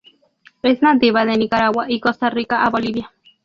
Es nativa de Nicaragua y Costa Rica a Bolivia.